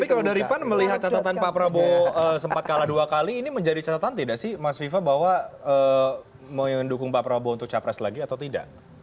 tapi kalau dari pan melihat catatan pak prabowo sempat kalah dua kali ini menjadi catatan tidak sih mas viva bahwa mau mendukung pak prabowo untuk capres lagi atau tidak